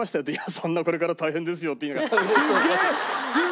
「そんなこれから大変ですよ」って言いながら。